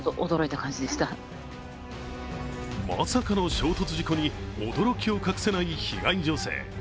まさかの衝突事故に驚きを隠せない被害女性。